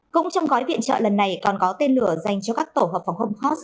cũng trong gói viện trợ lần này còn có tên lửa dành cho các tổ hợp phòng không host